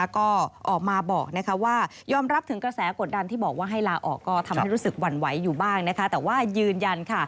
ก็ออกมาบอกว่ายอมรับถึงกระแสกดันที่บอกว่าให้ลาออก